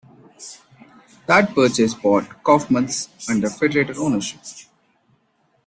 That purchase brought Kaufmann's under Federated ownership.